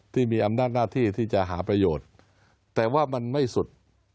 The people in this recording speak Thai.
ที่มีอำนาจหน้าที่ที่จะหาประโยชน์แต่ว่ามันไม่สุด